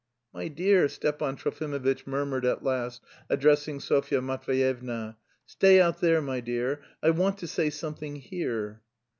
"My dear," Stepan Trofimovitch murmured at last, addressing Sofya Matveyevna, "stay out there, my dear, I want to say something here...."